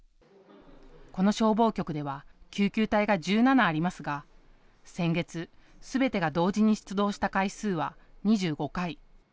この消防局では救急隊が１７ありますが、先月、すべてが同時に出動した回数は２５回。